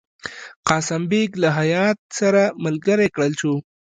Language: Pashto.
قاسم بیګ له هیات سره ملګری کړل شو.